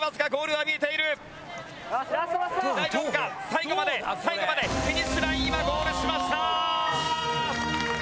最後まで最後までフィニッシュライン今ゴールしました！